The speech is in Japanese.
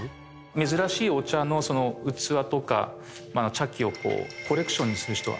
珍しいお茶の器とか茶器をコレクションにする人が。